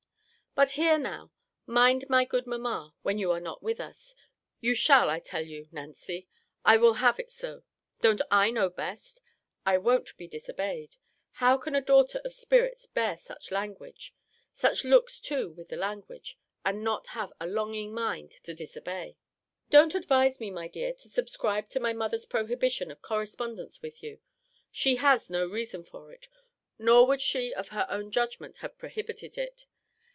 But hear now, mind my good mamma, when you are not with us You shall, I tell you, Nancy. I will have it so. Don't I know best, I won't be disobeyed. How can a daughter of spirits bear such language; such looks too with the language; and not have a longing mind to disobey? Don't advise me, my dear, to subscribe to my mother's prohibition of correspondence with you. She has no reason for it. Nor would she of her own judgment have prohibited it.